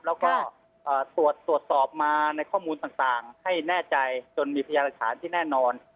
แล้วก็ตรวจสอบมาในข้อมูลต่างให้แน่ใจจนมีพยานหลักฐานที่แน่นอน